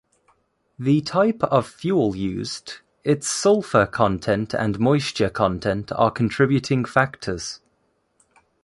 The type of fuel used, its sulfur content and moisture content are contributing factors.